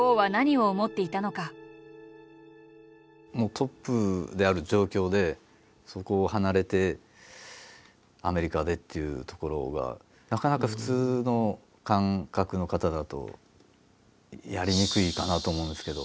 トップである状況でそこを離れてアメリカでっていうところがなかなか普通の感覚の方だとやりにくいかなと思うんですけど。